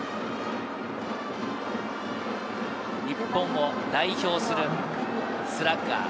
日本を代表するスラッガー。